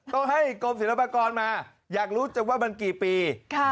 ต้องให้กรมศิลปากรมาอยากรู้จังว่ามันกี่ปี